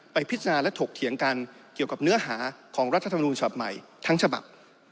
พิจารณาและถกเถียงกันเกี่ยวกับเนื้อหาของรัฐธรรมนูญฉบับใหม่ทั้งฉบับ